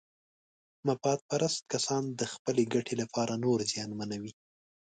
مفاد پرست کسان د خپلې ګټې لپاره نور زیانمنوي.